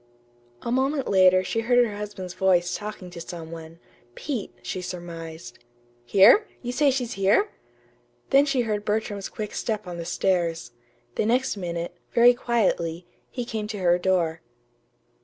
A moment later she heard her husband's voice talking to some one Pete, she surmised. "Here? You say she's here?" Then she heard Bertram's quick step on the stairs. The next minute, very quietly, he came to her door.